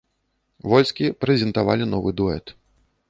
Вольскі прэзентавалі новы дуэт.